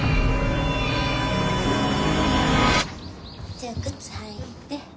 じゃあ靴履いて。